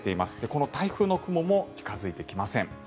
この台風の雲も近付いてきません。